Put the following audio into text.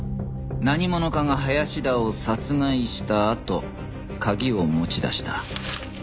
何者かが林田を殺害したあと鍵を持ち出した。